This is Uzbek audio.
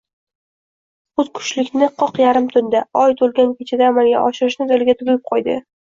Xudkushlikni qoq yarim tunda, oy to`lgan kechada amalga oshirishni diliga tugib qo`ydi